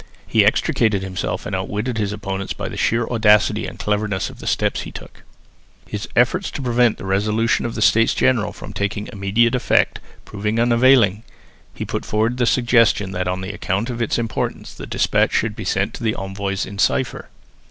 He extricated himself and outwitted his opponents by the sheer audacity and cleverness of the steps that he took. His efforts to prevent the resolution of the States General from taking immediate effect proving unavailing, he put forward the suggestion that on account of its importance the despatch should be sent to the envoys in cipher.